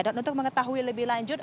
dan untuk mengetahui lebih lanjut